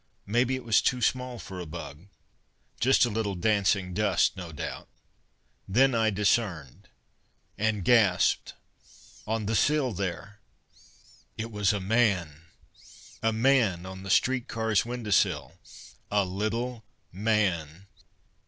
Maybe it was too small for a bug. Just a little dancing dust, no doubt. Then I discerned and gasped. On the sill, there it was a man! A man on the streetcar's window sill a little man!